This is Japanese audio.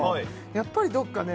やっぱりどっかね